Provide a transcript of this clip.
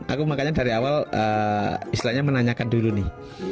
aku makanya dari awal istilahnya menanyakan dulu nih